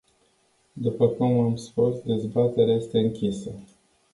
După cum am spus, dezbaterea este închisă.